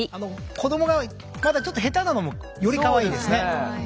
子どもがまだちょっと下手なのもよりカワイイですね。